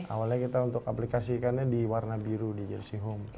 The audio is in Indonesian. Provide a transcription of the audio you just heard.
awalnya kita untuk aplikasikannya di warna biru di jersey home